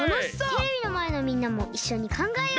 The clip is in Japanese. テレビのまえのみんなもいっしょにかんがえよう！